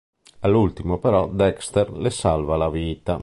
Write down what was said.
All'ultimo però, Dexter le salva la vita.